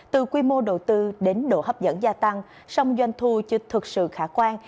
từ quy mô đầu tư đến độ hấp dẫn gia tăng song doanh thu chưa thực sự khả quan